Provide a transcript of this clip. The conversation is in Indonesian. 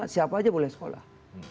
siapa saja boleh sekolah